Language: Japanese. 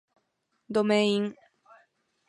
どめいん